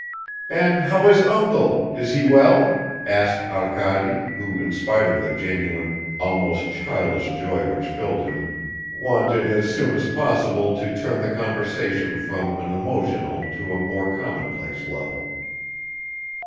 "And how is uncle? Is he well?" asked Arkady, who in spite of the genuine, almost childish joy which filled him, wanted as soon as possible to turn the conversation from an emotional to a more commonplace level.